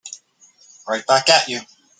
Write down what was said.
Right back at you.